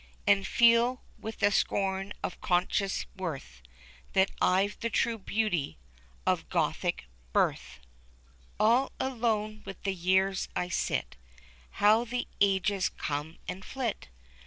And feel, with the scorn of conscious worth. That Tve the true beauty of Gothic birth. THE GRIFFIN. 253 All alone with the years I sit ; How the ages come and flit